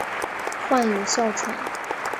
患有哮喘。